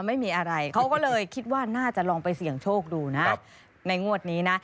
ไม่มีอะไรเขาก็เลยคิดว่าน่าจะลองไปเสี่ยงโชคดูนะในงวดนี้นะ